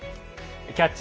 「キャッチ！